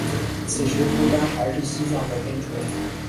此时不丹还是西藏的边陲。